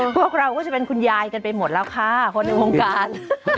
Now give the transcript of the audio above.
พวกเราก็จะเป็นคุณยายกันไปหมดแล้วค่ะคนในวงการ